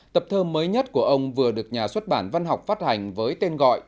tập thơ mới nhất của ông vừa được nhà xuất bản văn học phát hành với tên gọi